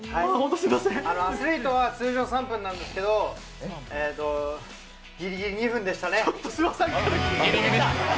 アスリートは通常３分なんですけど、ギリギリ２分でしたね。